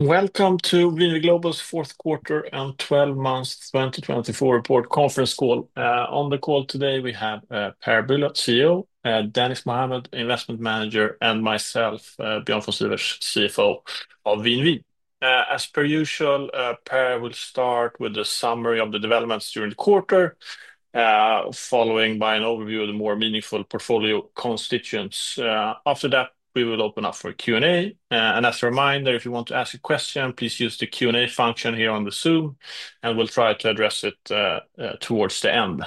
Welcome to VNV Global Q4 and 12 months 2024 report conference call. On the call today, we have Per Brilioth, CEO; Dennis Mohammad, Investment Manager; and myself, Björn von Sivers, CFO of VNV. As per usual, Per will start with a summary of the developments during the quarter, followed by an overview of the more meaningful portfolio constituents. After that, we will open up for Q&A and as a reminder, if you want to ask a question, please use the Q&A function here on the Zoom, and we'll try to address it towards the end.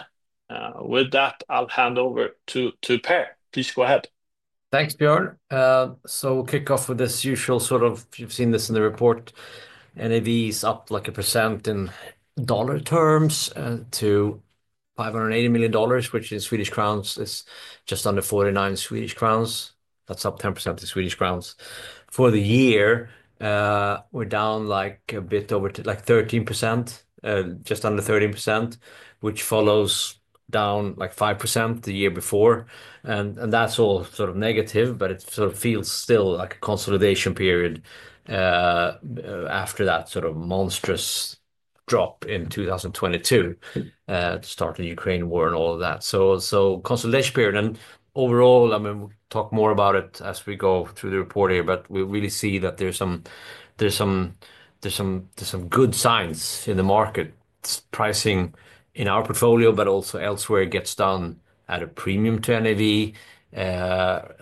With that, I'll hand over to Per. Please go ahead. Thanks, Björn. So we'll kick off with this usual sort of, you've seen this in the report, NAV is up like 1% in dollar terms to $580 million, which in Swedish crowns is just under 49 Swedish crowns. That's up 10% in Swedish crowns. For the year, we're down like a bit over to like 13%, just under 13%, which follows down like 5% the year before. And that's all sort of negative, but it sort of feels still like a consolidation period after that sort of monstrous drop in 2022, starting the Ukraine war and all of that. So consolidation period. And overall, I mean, we'll talk more about it as we go through the report here, but we really see that there's some good signs in the market. Pricing in our portfolio, but also elsewhere, gets down at a premium to NAV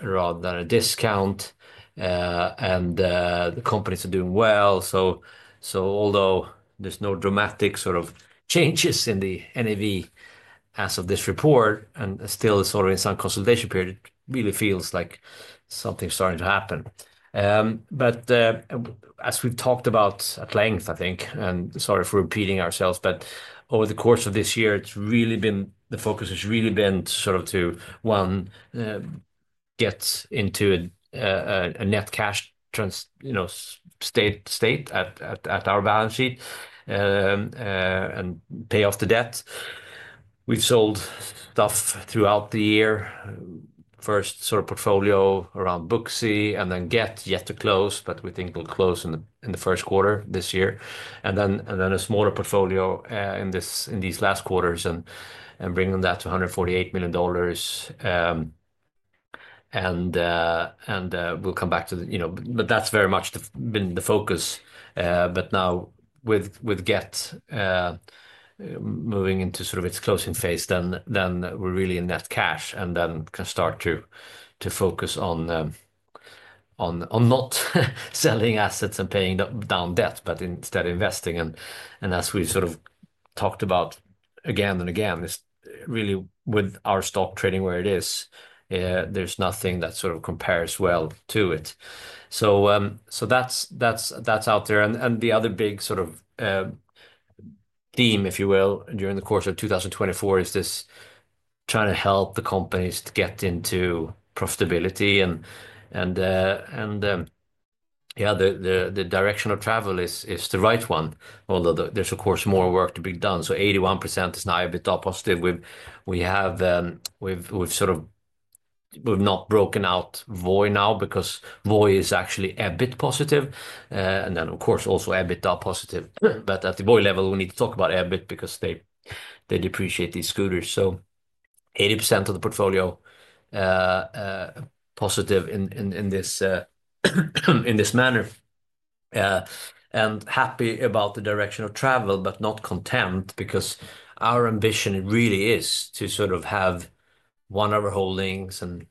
rather than a discount. And the companies are doing well. So although there's no dramatic sort of changes in the NAV as of this report, and still it's sort of in some consolidation period, it really feels like something's starting to happen. But as we've talked about at length, I think, and sorry for repeating ourselves, but over the course of this year, it's really been the focus has really been sort of to, one, get into a net cash state at our balance sheet and pay off the debt. We've sold stuff throughout the year, first sort of portfolio around Booksy, and then Gett yet to close, but we think we'll close in the Q1 this year. And then a smaller portfolio in these last quarters and bringing that to $148 million. And we'll come back to, but that's very much been the focus. But now with Gett moving into sort of its closing phase, then we're really in net cash and then can start to focus on not selling assets and paying down debt, but instead investing. And as we sort of talked about again and again, really with our stock trading where it is, there's nothing that sort of compares well to it. So that's out there. And the other big sort of theme, if you will, during the course of 2024 is this trying to help the companies to get into profitability. And yeah, the direction of travel is the right one, although there's of course more work to be done. So 81% is EBIT positive. We've sort of not broken out Voi now because Voi is actually EBIT positive. And then of course also EBIT positive. But at the VOI level, we need to talk about EBIT because they depreciate these scooters. So 80% of the portfolio positive in this manner. And happy about the direction of travel, but not content because our ambition really is to sort of have one of our holdings and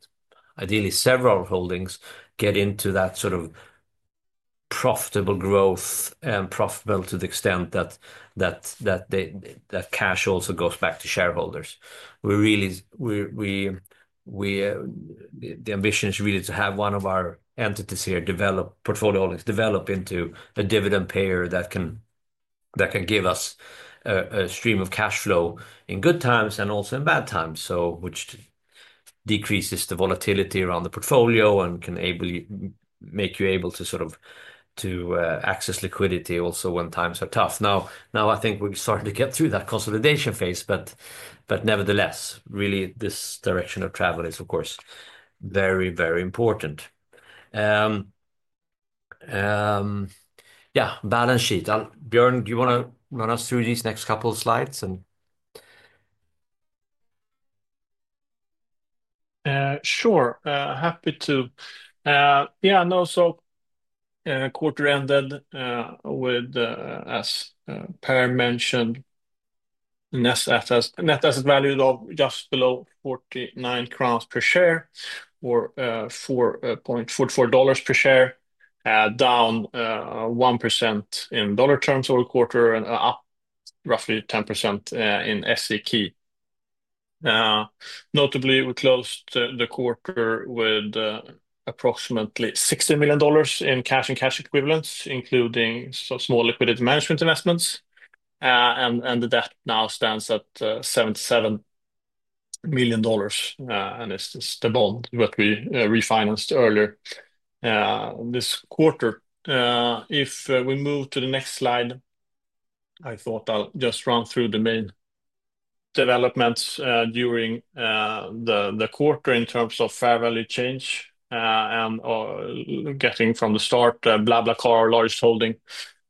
ideally several holdings get into that sort of profitable growth and profitable to the extent that that cash also goes back to shareholders. The ambition is really to have one of our entities here develop portfolio holdings into a dividend payer that can give us a stream of cash flow in good times and also in bad times, which decreases the volatility around the portfolio and can make you able to sort of access liquidity also when times are tough. Now I think we're starting to get through that consolidation phase, but nevertheless, really this direction of travel is of course very, very important. Yeah, balance sheet. Björn, do you want to run us through these next couple of slides? Sure. Happy to. Yeah, no, so quarter ended with, as Per mentioned, net asset value of just below 49 crowns per share or $4.44 per share, down 1% in dollar terms over quarter and up roughly 10% in SEK. Notably, we closed the quarter with approximately $60 million in cash and cash equivalents, including some small liquidity management investments. The debt now stands at $77 million, and it's the bond that we refinanced earlier this quarter. If we move to the next slide, I thought I'll just run through the main developments during the quarter in terms of fair value change and getting from the start, BlaBlaCar, our largest holding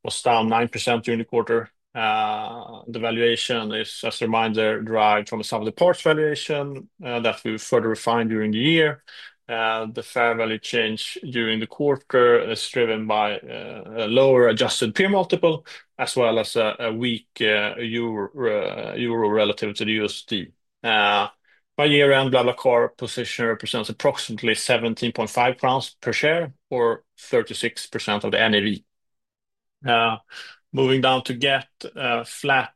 was down 9% during the quarter. The valuation is, as a reminder, derived from the sum of the parts valuation that we further refined during the year. The fair value change during the quarter is driven by a lower adjusted peer multiple as well as a weak euro relative to the USD. By year-end, BlaBlaCar position represents approximately SEK 17.5 per share or 36% of the NAV. Moving down to Gett, flat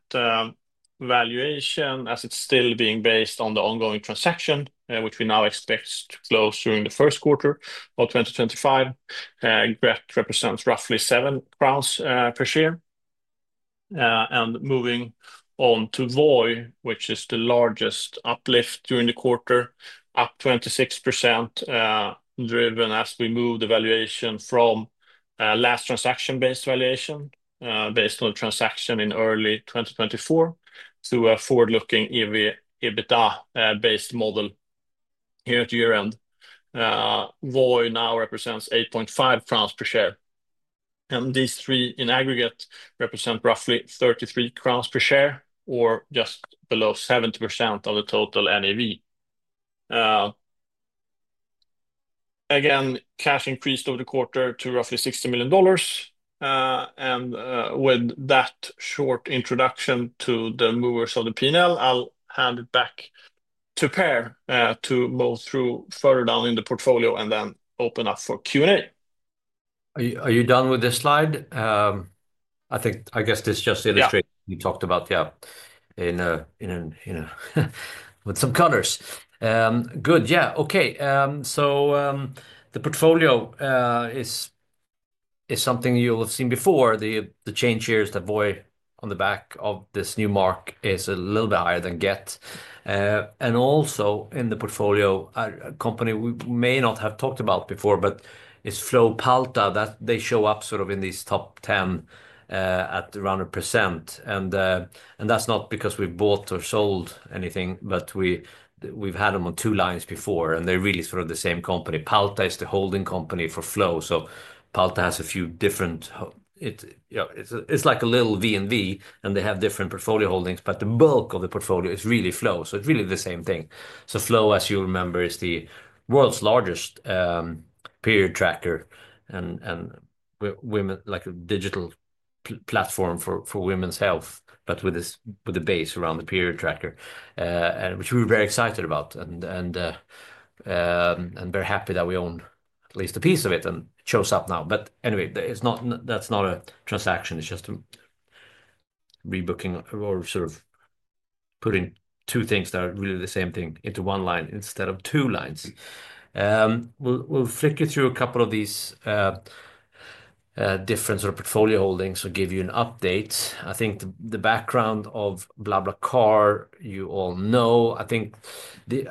valuation as it's still being based on the ongoing transaction, which we now expect to close during the Q1 of 2025. Gett represents roughly 7 crowns per share, and moving on to VOI, which is the largest uplift during the quarter, up 26%, driven as we move the valuation from last transaction-based valuation based on the transaction in early 2024 to a forward-looking EBITDA-based model here at year-end. VOI now represents 8.5 crowns per share, and these three in aggregate represent roughly 33 crowns per share or just below 70% of the total NAV. Again, cash increased over the quarter to roughly $60 million. And with that short introduction to the movers of the P&L, I'll hand it back to Per to move through further down in the portfolio and then open up for Q&A. Are you done with this slide? I guess this just illustrates what we talked about, yeah, with some colors. Good, yeah. Okay, so the portfolio is something you'll have seen before. The change here is that VOI on the back of this new mark is a little bit higher than Gett. And also in the portfolio, a company we may not have talked about before, but it's Flo/Palta that they show up sort of in these top 10 at around 1%. And that's not because we bought or sold anything, but we've had them on two lines before, and they're really sort of the same company. Palta is the holding company for Flo. So Palta has a few different... It's like a little VNV, and they have different portfolio holdings, but the bulk of the portfolio is really Flo. So it's really the same thing. Flo, as you remember, is the world's largest period tracker and like a digital platform for women's health, but with a base around the period tracker, which we were very excited about and very happy that we own at least a piece of it and it shows up now. But anyway, that's not a transaction. It's just rebooking or sort of putting two things that are really the same thing into one line instead of two lines. We'll walk you through a couple of these different sort of portfolio holdings and give you an update. I think the background of BlaBlaCar, you all know. I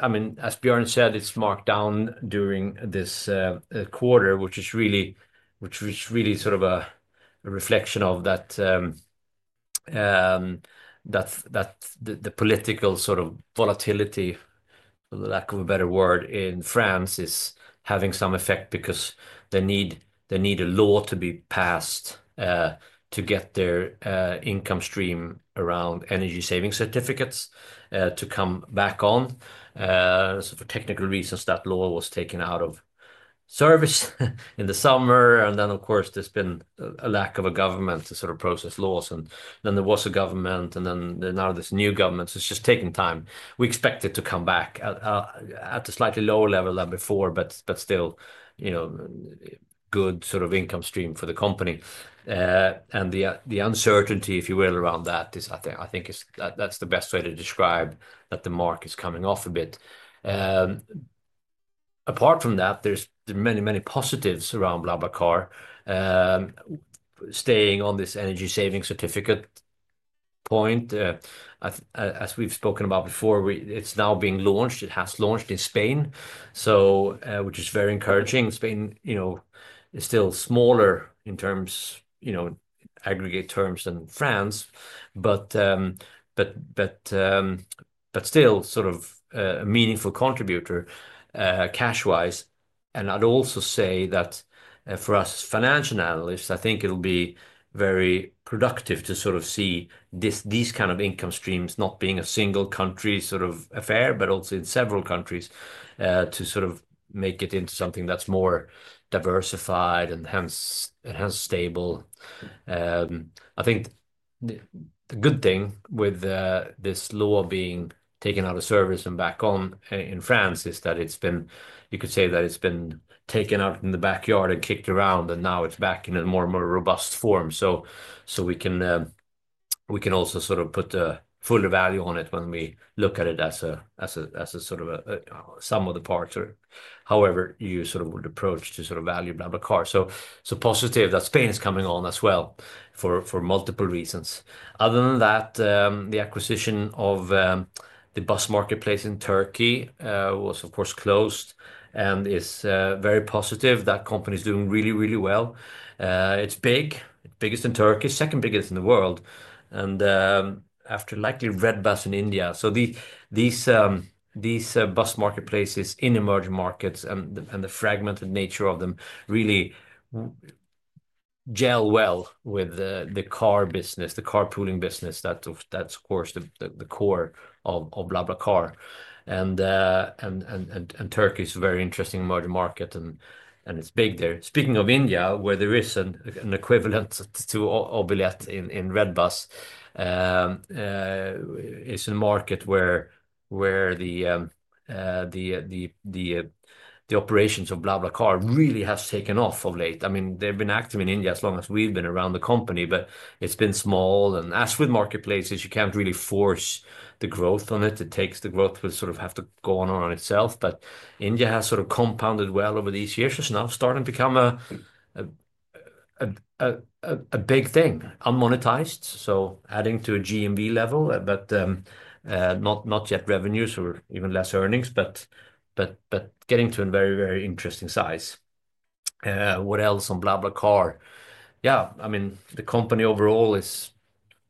mean, as Björn said, it's marked down during this quarter, which is really sort of a reflection of that the political sort of volatility, for lack of a better word, in France is having some effect because they need a law to be passed to get their income stream around energy saving certificates to come back on. So for technical reasons, that law was taken out of service in the summer. And then, of course, there's been a lack of a government to sort of process laws. And then there was a government, and then now there's new governments. It's just taking time. We expect it to come back at a slightly lower level than before, but still good sort of income stream for the company. And the uncertainty, if you will, around that is, I think that's the best way to describe that the mark is coming off a bit. Apart from that, there's many, many positives around BlaBlaCar staying on this Energy Saving Certificates point. As we've spoken about before, it's now being launched. It has launched in Spain, which is very encouraging. Spain is still smaller in terms of aggregate terms than France, but still sort of a meaningful contributor cash-wise. And I'd also say that for us as financial analysts, I think it'll be very productive to sort of see these kinds of income streams not being a single country sort of affair, but also in several countries to sort of make it into something that's more diversified and hence stable. I think the good thing with this law being taken out of service and back on in France is that it's been, you could say that it's been taken out in the backyard and kicked around, and now it's back in a more and more robust form. So we can also sort of put full value on it when we look at it as a sort of some of the parts or however you sort of would approach to sort of value BlaBlaCar. So positive that Spain is coming on as well for multiple reasons. Other than that, the acquisition of the bus marketplace in Turkey was, of course, closed and is very positive. That company is doing really, really well. It's big. It's biggest in Turkey, second biggest in the world, and after likely RedBus in India. These bus marketplaces in emerging markets and the fragmented nature of them really gel well with the car business, the carpooling business. That's, of course, the core of BlaBlaCar. And Turkey is a very interesting emerging market, and it's big there. Speaking of India, where there is an equivalent to Obilet in RedBus, it's a market where the operations of BlaBlaCar really have taken off of late. I mean, they've been active in India as long as we've been around the company, but it's been small. And as with marketplaces, you can't really force the growth on it. It takes the growth will sort of have to go on itself. But India has sort of compounded well over these years and is now starting to become a big thing, unmonetized. So adding to a GMV level, but not yet revenues or even less earnings, but getting to a very, very interesting size. What else on BlaBlaCar? Yeah, I mean, the company overall is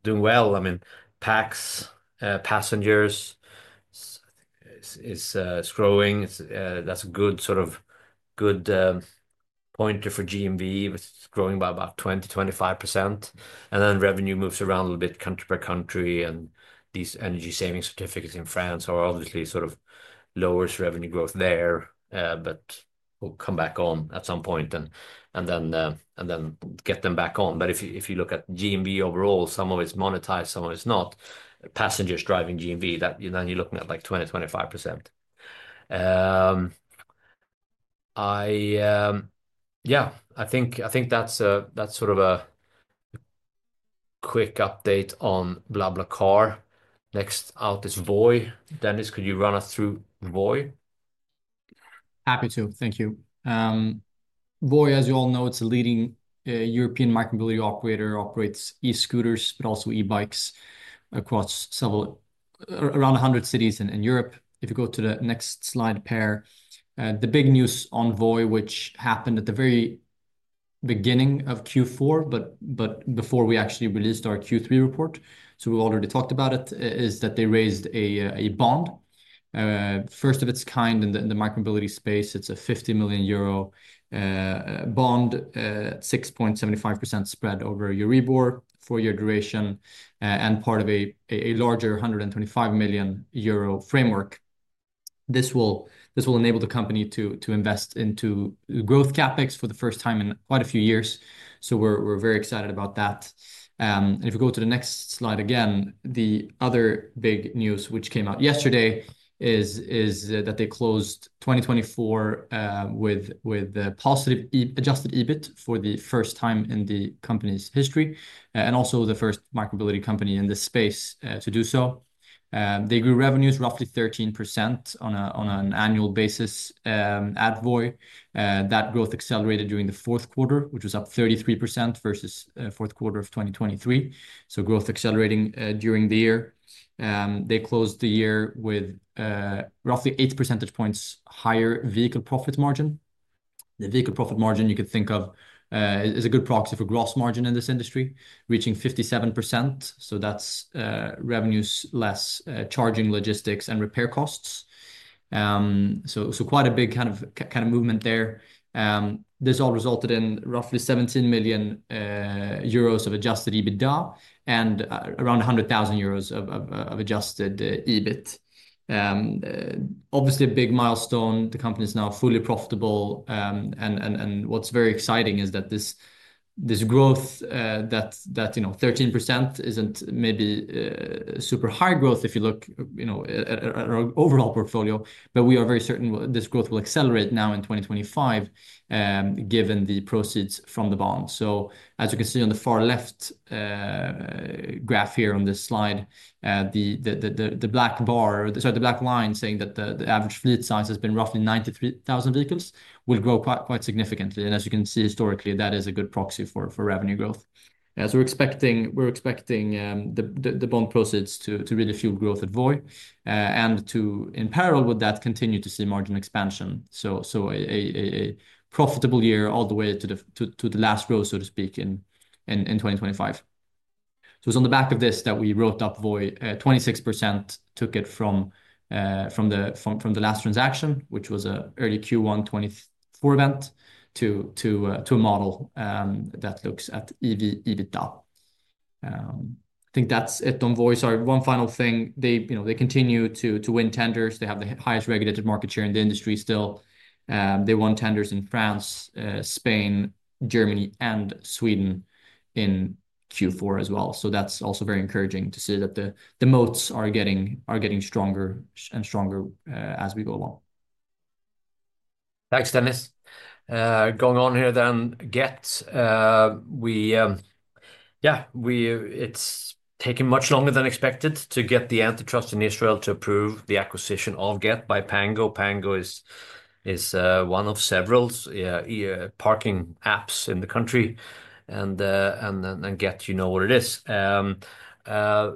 doing well. I mean, PAX, Passengers, it's growing. That's a good sort of good pointer for GMV. It's growing by about 20%-25%. And then revenue moves around a little bit country by country. And these energy saving certificates in France are obviously sort of lowers revenue growth there, but we'll come back on at some point and then get them back on. But if you look at GMV overall, some of it's monetized, some of it's not. Passengers driving GMV, then you're looking at like 20%-25%. Yeah, I think that's sort of a quick update on BlaBlaCar. Next out is VOI. Dennis, could you run us through VOI? Happy to. Thank you. VOI, as you all know, it's a leading European micromobility operator. It operates e-scooters, but also e-bikes across around 100 cities in Europe. If you go to the next slide, Per, the big news on VOI, which happened at the very beginning of Q4, but before we actually released our Q3 report, so we've already talked about it, is that they raised a bond, first of its kind in the micromobility space. It's a €50 million bond, 6.75% spread over Euribor, four-year duration, and part of a larger €125 million framework. This will enable the company to invest into growth CapEx for the first time in quite a few years. So we're very excited about that. If you go to the next slide again, the other big news, which came out yesterday, is that they closed 2024 with a positive adjusted EBIT for the first time in the company's history and also the first mobility company in the space to do so. They grew revenues roughly 13% on an annual basis at VOI. That growth accelerated during the Q4, which was up 33% versus the Q4 of 2023. So growth accelerating during the year. They closed the year with roughly eight percentage points higher vehicle profit margin. The vehicle profit margin you could think of is a good proxy for gross margin in this industry, reaching 57%. So that's revenues less charging logistics and repair costs. So quite a big kind of movement there. This all resulted in roughly €17 million of adjusted EBITDA and around €100,000 of adjusted EBIT. Obviously, a big milestone. The company is now fully profitable, and what's very exciting is that this growth, that 13% isn't maybe super high growth if you look at our overall portfolio, but we are very certain this growth will accelerate now in 2025 given the proceeds from the bond, so as you can see on the far left graph here on this slide, the black bar, sorry, the black line saying that the average fleet size has been roughly 93,000 vehicles will grow quite significantly, and as you can see historically, that is a good proxy for revenue growth, as we're expecting the bond proceeds to really fuel growth at VOI and to, in parallel with that, continue to see margin expansion, so a profitable year all the way to the last growth, so to speak, in 2025. So it's on the back of this that we wrote up VOI. 26% took it from the last transaction, which was an early Q1 2024 event, to a model that looks at EV EBITDA. I think that's it on VOI. Sorry, one final thing. They continue to win tenders. They have the highest regulated market share in the industry still. They won tenders in France, Spain, Germany, and Sweden in Q4 as well. So that's also very encouraging to see that the moats are getting stronger and stronger as we go along. Thanks, Dennis. Going on here then, Gett. Yeah, it's taken much longer than expected to get the antitrust in Israel to approve the acquisition of Gett by Pango. Pango is one of several parking apps in the country. And Gett, you know what it is.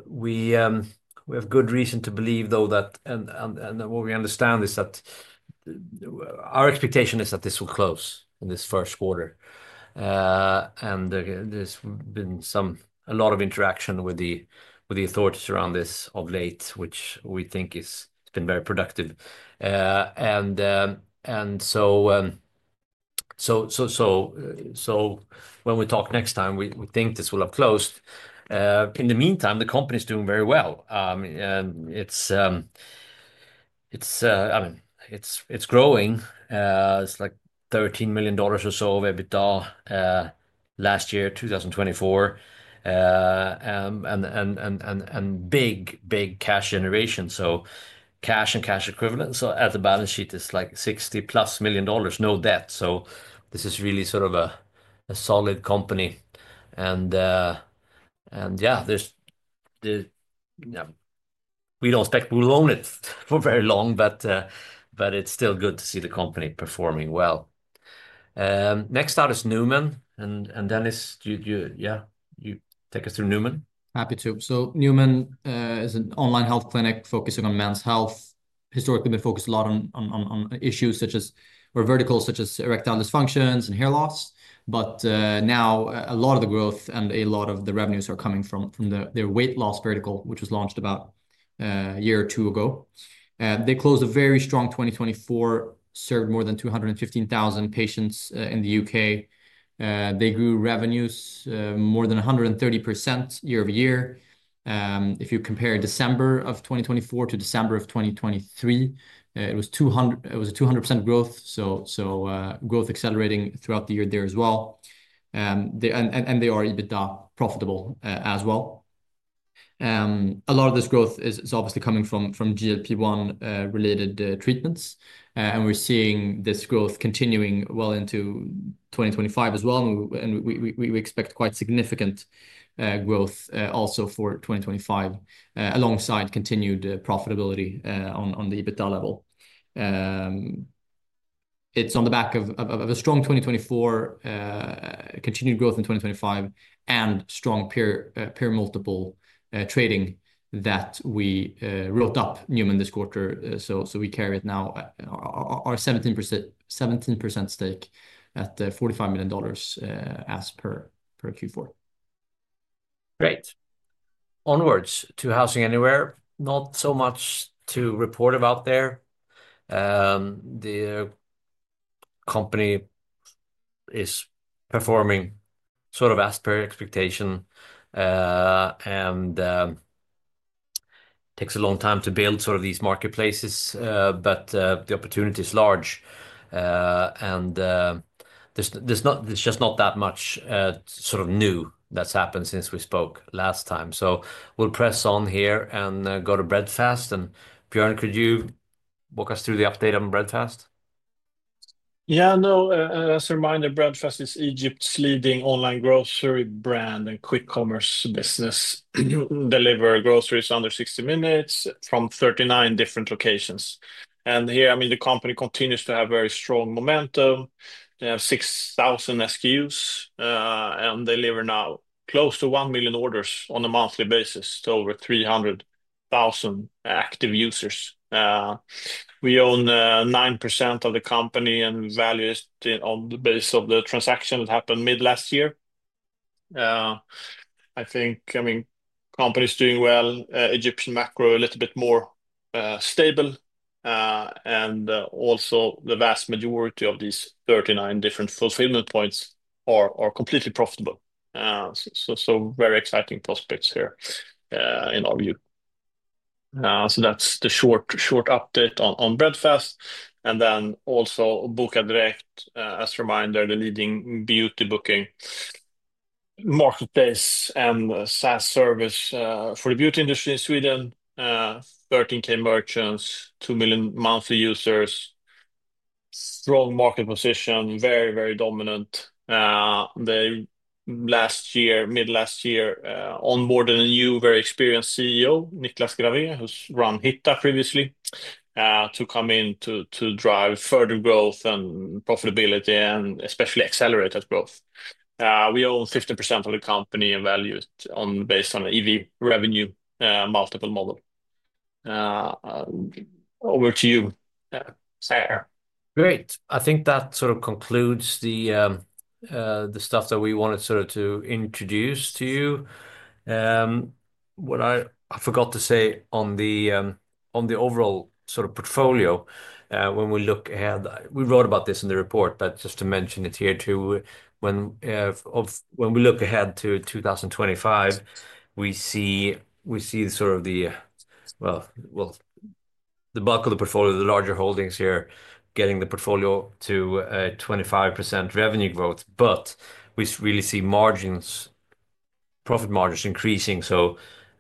We have good reason to believe, though, that, and what we understand is that our expectation is that this will close in this Q1. And there's been a lot of interaction with the authorities around this of late, which we think has been very productive. And so when we talk next time, we think this will have closed. In the meantime, the company is doing very well. I mean, it's growing. It's like $13 million or so of EBITDA last year, 2024. And big, big cash generation. So cash and cash equivalent. At the balance sheet, it's like $60-plus million dollars, no debt. This is really sort of a solid company. And yeah, we don't expect we'll own it for very long, but it's still good to see the company performing well. Next out is Numan. And Dennis, yeah, you take us through Numan. Happy to. So Numan is an online health clinic focusing on men's health. Historically, we've focused a lot on issues such as or verticals such as erectile dysfunctions and hair loss. But now a lot of the growth and a lot of the revenues are coming from their weight loss vertical, which was launched about a year or two ago. They closed a very strong 2024, served more than 215,000 patients in the UK. They grew revenues more than 130% year over year. If you compare December of 2024 to December of 2023, it was a 200% growth. So growth accelerating throughout the year there as well, and they are EBITDA profitable as well. A lot of this growth is obviously coming from GLP-1 related treatments. And we're seeing this growth continuing well into 2025 as well. We expect quite significant growth also for 2025 alongside continued profitability on the EBITDA level. It's on the back of a strong 2024, continued growth in 2025, and strong peer multiple trading that we wrote up Numan this quarter. We carry it now, our 17% stake at $45 million as per Q4. Great. Onwards to HousingAnywhere. Not so much to report about there. The company is performing sort of as per expectation, and it takes a long time to build sort of these marketplaces, but the opportunity is large, and there's just not that much sort of new that's happened since we spoke last time. So we'll press on here and go to Breadfast, and Björn, could you walk us through the update on Breadfast? Yeah, no. As a reminder, Breadfast is Egypt's leading online grocery brand and quick commerce business. Deliver groceries under 60 minutes from 39 different locations. And here, I mean, the company continues to have very strong momentum. They have 6,000 SKUs, and they deliver now close to 1 million orders on a monthly basis to over 300,000 active users. We own 9% of the company and value it on the basis of the transaction that happened mid last year. I think, I mean, the company is doing well. Egyptian macro is a little bit more stable. And also the vast majority of these 39 different fulfillment points are completely profitable. So very exciting prospects here in our view. So that's the short update on Breadfast. And then also Bokadirekt, as a reminder, the leading beauty booking marketplace and SaaS service for the beauty industry in Sweden. 13K merchants, 2 million monthly users. Strong market position, very, very dominant. Last year, mid last year, onboarded a new very experienced CEO, Niklas Grawé, who's run Hitta previously, to come in to drive further growth and profitability and especially accelerated growth. We own 15% of the company and value it based on EV revenue multiple model. Over to you,. Great. I think that sort of concludes the stuff that we wanted sort of to introduce to you. What I forgot to say on the overall sort of portfolio, when we look ahead, we wrote about this in the report, but just to mention it here too, when we look ahead to 2025, we see sort of the, well, the bulk of the portfolio, the larger holdings here getting the portfolio to 25% revenue growth. But we really see profit margins increasing. So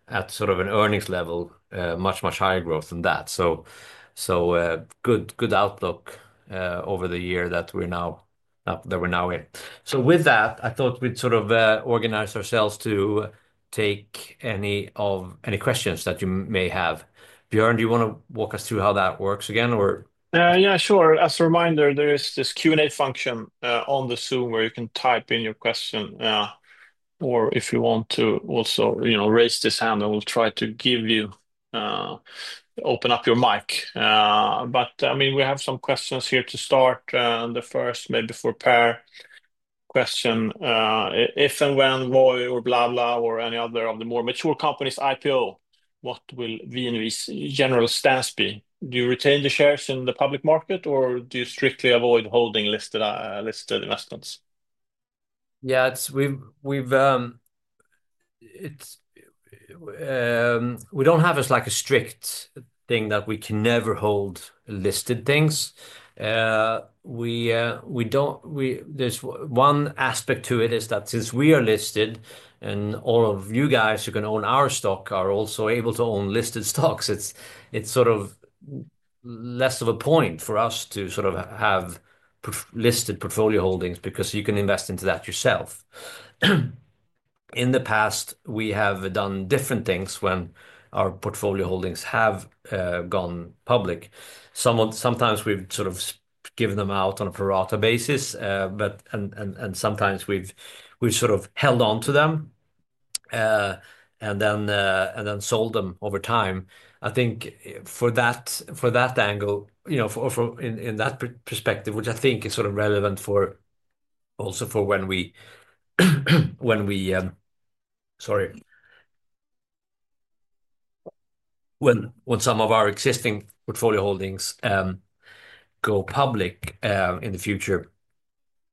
at sort of an earnings level, much, much higher growth than that. So good outlook over the year that we're now in. So with that, I thought we'd sort of organize ourselves to take any questions that you may have. Björn, do you want to walk us through how that works again or? Yeah, sure. As a reminder, there is this Q&A function on the Zoom where you can type in your question. Or if you want to also raise this hand, I will try to open up your mic. But I mean, we have some questions here to start. The first, maybe for Per, question. If and when VOI or BlaBlaCar, or any other of the more mature companies IPO, what will VNV's general stance be? Do you retain the shares in the public market or do you strictly avoid holding listed investments? Yeah, we don't have a strict thing that we can never hold listed things. There's one aspect to it is that since we are listed and all of you guys who can own our stock are also able to own listed stocks, it's sort of less of a point for us to sort of have listed portfolio holdings because you can invest into that yourself. In the past, we have done different things when our portfolio holdings have gone public. Sometimes we've sort of given them out on a pro rata basis, and sometimes we've sort of held on to them and then sold them over time. I think for that angle, in that perspective, which I think is sort of relevant also for when we, sorry, when some of our existing portfolio holdings go public in the future,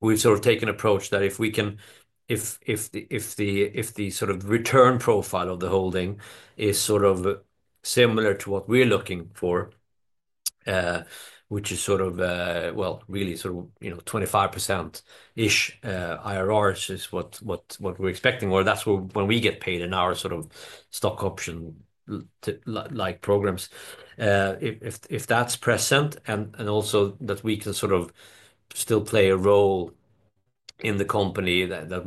we've sort of taken an approach that if the sort of return profile of the holding is sort of similar to what we're looking for, which is sort of, well, really sort of 25%-ish IRRs is what we're expecting, or that's when we get paid in our sort of stock option-like programs. If that's present and also that we can sort of still play a role in the company, that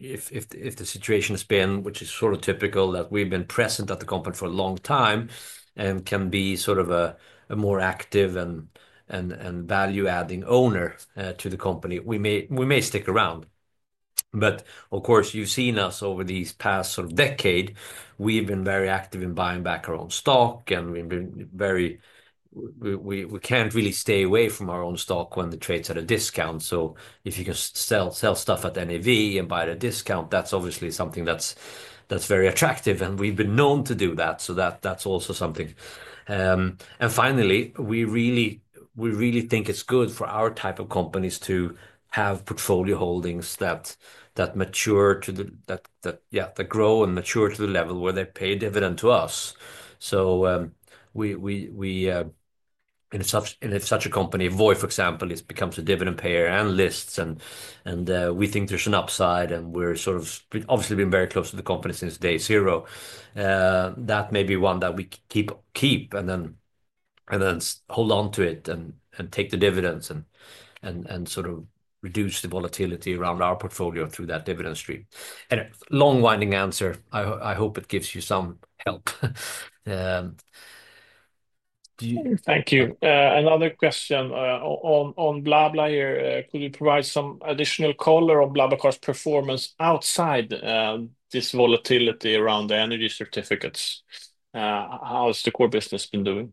if the situation has been, which is sort of typical, that we've been present at the company for a long time and can be sort of a more active and value-adding owner to the company, we may stick around. Of course, you've seen us over these past sort of decade. We've been very active in buying back our own stock, and we can't really stay away from our own stock when the trades are at a discount. If you can sell stuff at NAV and buy at a discount, that's obviously something that's very attractive, and we've been known to do that. That's also something. Finally, we really think it's good for our type of companies to have portfolio holdings that mature to, yeah, that grow and mature to the level where they pay dividend to us. In such a company, VOI, for example, becomes a dividend payer and lists, and we think there's an upside, and we're sort of obviously been very close to the company since day zero. That may be one that we keep and then hold on to it and take the dividends and sort of reduce the volatility around our portfolio through that dividend stream. Anyway, long-winded answer. I hope it gives you some help. Thank you. Another question on blah, blah here. Could you provide some additional color on blah, blah, cost performance outside this volatility around the energy certificates? How has the core business been doing?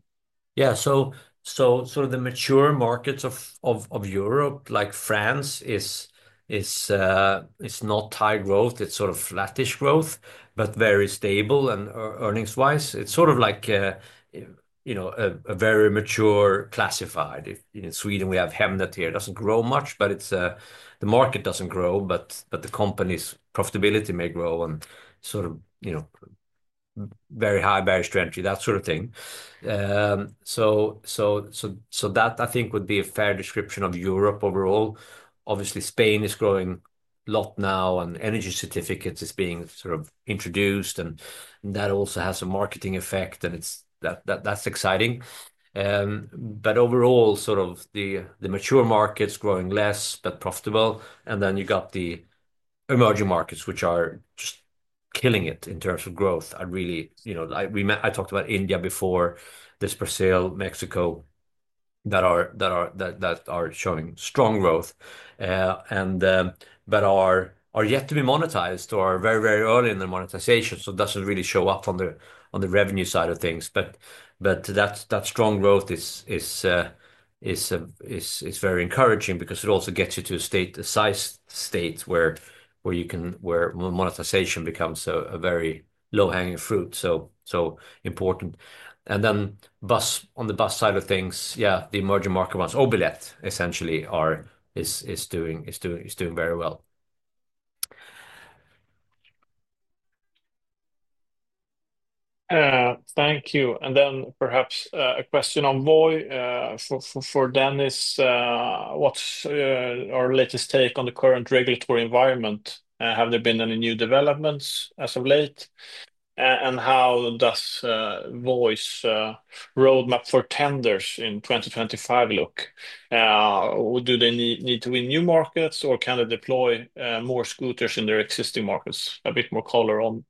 Yeah, so sort of the mature markets of Europe, like France, is not high growth. It's sort of flat-ish growth, but very stable and earnings-wise. It's sort of like a very mature classified. In Sweden, we have Hemnet here. It doesn't grow much, but the market doesn't grow, but the company's profitability may grow and sort of very high, very strange, that sort of thing. So that, I think, would be a fair description of Europe overall. Obviously, Spain is growing a lot now, and energy certificates are being sort of introduced, and that also has a marketing effect, and that's exciting. But overall, sort of the mature markets are growing less, but profitable. And then you've got the emerging markets, which are just killing it in terms of growth. I talked about India before, this Brazil, Mexico, that are showing strong growth, but are yet to be monetized or are very, very early in the monetization. So it doesn't really show up on the revenue side of things. But that strong growth is very encouraging because it also gets you to a size state where monetization becomes a very low-hanging fruit. So important. And then on the bus side of things, yeah, the emerging market ones, Obilet, essentially, is doing very well. Thank you. And then perhaps a question on VOI for Dennis. What's our latest take on the current regulatory environment? Have there been any new developments as of late? And how does VOI's roadmap for tenders in 2025 look? Do they need to win new markets, or can they deploy more scooters in their existing markets? A bit more color on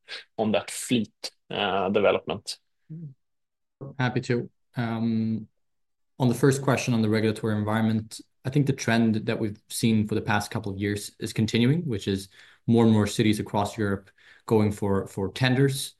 that fleet development. Happy to. On the first question on the regulatory environment, I think the trend that we've seen for the past couple of years is continuing, which is more and more cities across Europe going for tenders.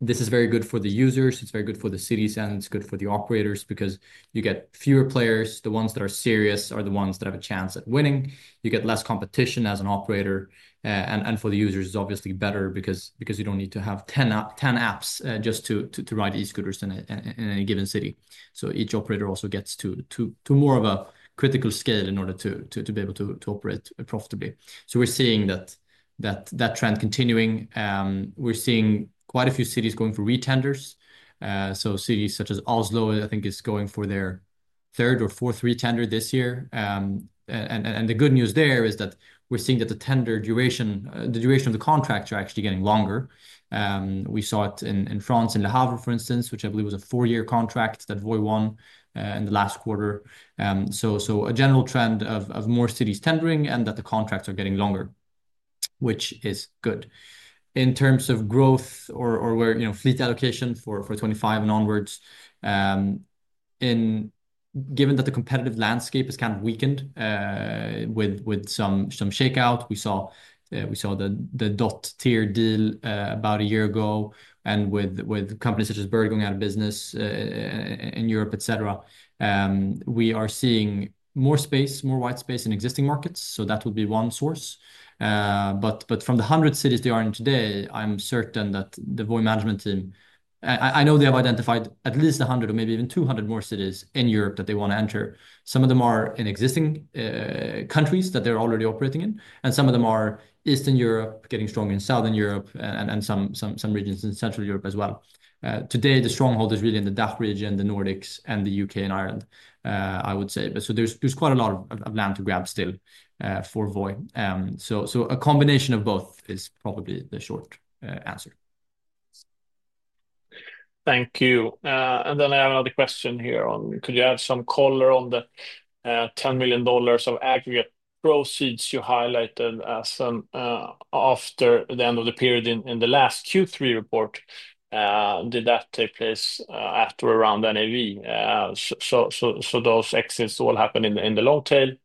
This is very good for the users. It's very good for the cities, and it's good for the operators because you get fewer players. The ones that are serious are the ones that have a chance at winning. You get less competition as an operator. And for the users, it's obviously better because you don't need to have 10 apps just to ride e-scooters in any given city, so each operator also gets to more of a critical scale in order to be able to operate profitably, so we're seeing that trend continuing. We're seeing quite a few cities going for retenders. Cities such as Oslo, I think, are going for their third or fourth retender this year. The good news there is that we're seeing that the duration of the contracts is actually getting longer. We saw it in France and Le Havre, for instance, which I believe was a four-year contract that VOI won in the last quarter. A general trend of more cities tendering and that the contracts are getting longer, which is good. In terms of growth or fleet allocation for 2025 and onwards, given that the competitive landscape has kind of weakened with some shakeout, we saw the Dott-Tier deal about a year ago, and with companies such as Bird going out of business in Europe, etc., we are seeing more space, more white space in existing markets. That would be one source. But from the hundred cities they are in today, I'm certain that the VOI management team, I know they have identified at least 100 or maybe even 200 more cities in Europe that they want to enter. Some of them are in existing countries that they're already operating in, and some of them are Eastern Europe getting stronger in Southern Europe and some regions in Central Europe as well. Today, the stronghold is really in the DACH region, the Nordics, and the U.K. and Ireland, I would say. So there's quite a lot of land to grab still for VOI. So a combination of both is probably the short answer. Thank you. And then I have another question here on, could you add some color on the $10 million of aggregate proceeds you highlighted after the end of the period in the last Q3 report? Did that take place at or around NAV? So those exits all happened in the long tail.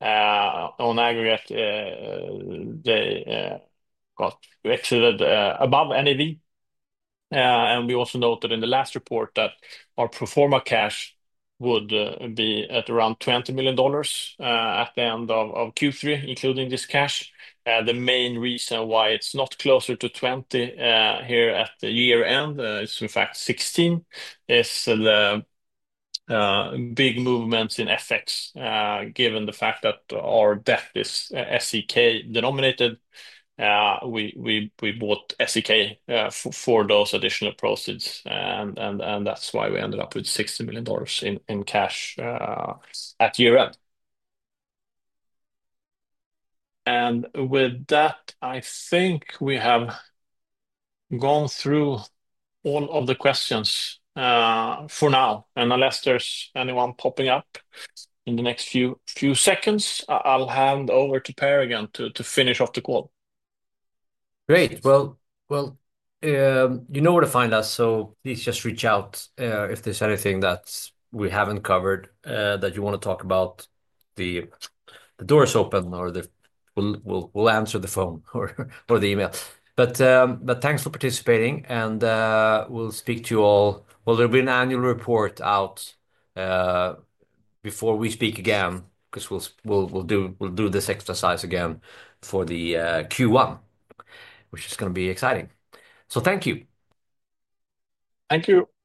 On aggregate, they got exited above NAV. And we also noted in the last report that our pro forma cash would be at around $20 million at the end of Q3, including this cash. The main reason why it's not closer to 20 here at the year end, it's in fact 16, is the big movements in FX. Given the fact that our debt is SEK denominated, we bought SEK for those additional proceeds, and that's why we ended up with $60 million in cash at year end. With that, I think we have gone through all of the questions for now. Unless there's anyone popping up in the next few seconds, I'll hand over to Per again to finish off the call. Great. You know where to find us, so please just reach out if there's anything that we haven't covered that you want to talk about. The door is open or we'll answer the phone or the email. But thanks for participating, and we'll speak to you all. There'll be an annual report out before we speak again because we'll do this exercise again for the Q1, which is going to be exciting. Thank you. Thank you.